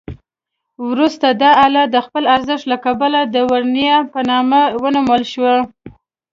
وروسته دا آله د خپل ارزښت له کبله د ورنیه په نامه ونومول شوه.